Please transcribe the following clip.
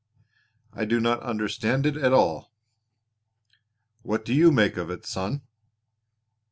I do not understand it at all. What do you make of it, son?"